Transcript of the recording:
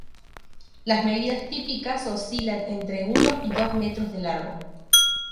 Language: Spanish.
Las medidas típicas oscilan entre uno y dos metros de largo.